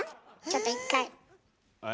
ちょっと一回。